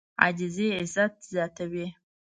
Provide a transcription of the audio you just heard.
عاجزي عزت زیاتوي.